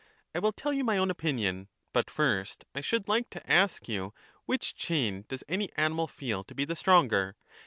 I will tell .you my own opinion ; but first, I should like to ask you which chain does any animal feel to be the stronger?